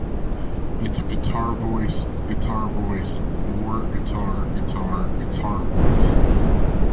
It's guitar-voice, guitar-voice, more guitar-guitar-guitar-voice.